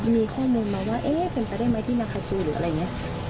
มีข้อมูลมาว่าเอ๊ะเป็นไปได้ไหมที่นาคาจูหรืออะไรอย่างนี้